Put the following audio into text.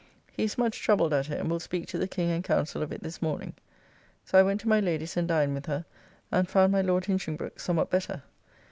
He is much troubled at it, and will speak to the King and Council of it this morning. So I went to my Lady's and dined with her, and found my Lord Hinchingbroke somewhat better.